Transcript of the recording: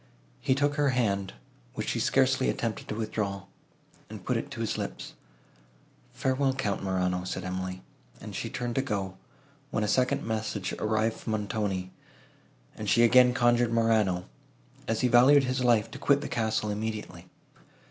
He took her hand, which she scarcely attempted to withdraw, and put it to his lips. "Farewell, Count Morano!" said Emily; and she turned to go, when a second message arrived from Montoni, and she again conjured Morano, as he valued his life, to quit the castle immediately.